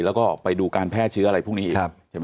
แล้วก็ไปดูการแพร่เชื้ออะไรพวกนี้อีกใช่ไหม